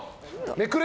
めくれ！